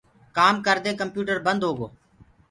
ڪآمو ڪردي ڪمپيوٽر بند هوگو۔